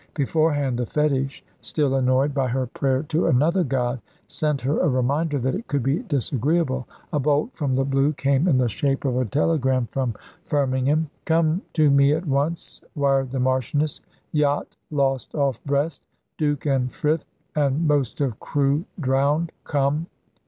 Beforehand the fetish, still annoyed by her prayer to another god, sent her a reminder that it could be disagreeable. A bolt from the blue came in the shape of a telegram from Firmingham. "Come to me at once," wired the Marchioness. "Yacht lost off Brest. Duke and Frith and most of crew drowned. Come."